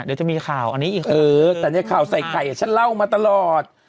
เดี๋ยวจะมีข่าวอันนี้อีกเออแต่ในข่าวใส่ไข่ฉันเล่ามาตลอด